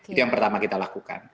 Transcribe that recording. itu yang pertama kita lakukan